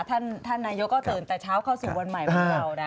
ท่านนายกก็ตื่นแต่เช้าเข้าสู่วันใหม่ของเรานะ